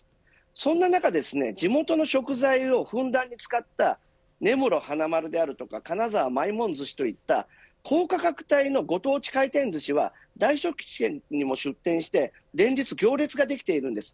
そんな中ですね地元の食材をふんだんに使った根室はなまるであるとか金沢まいもん寿司といった高価格帯のご当地回転ずしは大都市圏にも出店して連日、行列もできています。